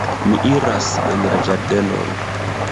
Mi iras en la ĝardenon.